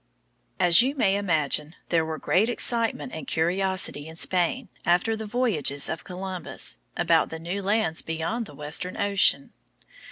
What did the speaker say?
As you may imagine, there was great excitement and curiosity in Spain, after the voyages of Columbus, about the new lands beyond the Western Ocean.